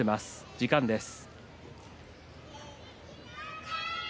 時間です。